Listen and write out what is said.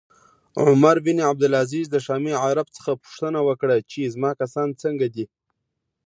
عمر بن عبدالعزیز د شامي عرب څخه پوښتنه وکړه چې زما کسان څنګه دي